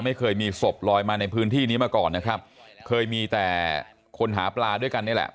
ไม่เคยมีศพลอยมาในพื้นที่นี้มาก่อนนะครับเคยมีแต่คนหาปลาด้วยกันนี่แหละ